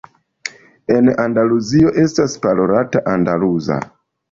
En Andaluzio estas parolata la andaluza.